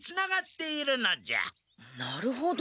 なるほど。